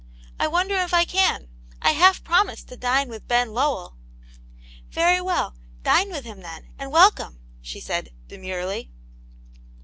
I wonder if I can ? I half promised to dine with Ben Lowell." ' "Very well, dine with him then and welcome," she said, demurely.